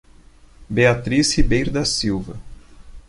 Beatriz Ribeiro da Silva